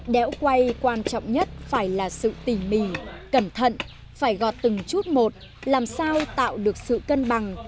đéo quay quan trọng nhất phải là sự tỉ mỉ cẩn thận phải gọt từng chút một làm sao tạo được sự cân bằng